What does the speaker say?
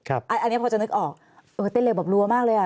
อันนี้พอจะนึกออกเต้นเร็วแบบรัวมากเลยอ่ะ